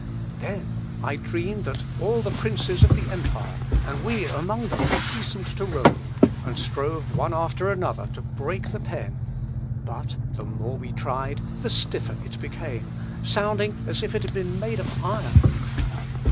"Then I dreamed that all the princes of the empire, and we among them, hastened to Rome, and strove one after another to break the pen; but the more we tried the stiffer it became, sounding as if it had been made of iron.